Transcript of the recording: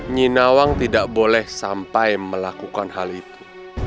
nginawang tidak boleh sampai melakukan hal itu